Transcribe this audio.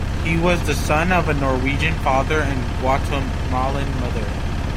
He was the son of a Norwegian father and Guatemalan mother.